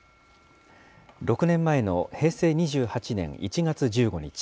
６年前の平成２８年１月１５日。